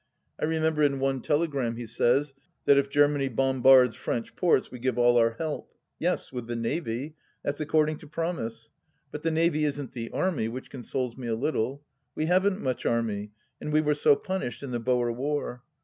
I remember in one telegram he says that " If Germany bombards French ports we give all our help." Yes, with the Navy; that's according to promise ; but the Navy isn't the Army, which consoles me a little. We haven't much Army, and we were so punished in the Boer War.